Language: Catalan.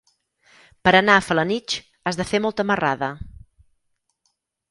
Per anar a Felanitx has de fer molta marrada.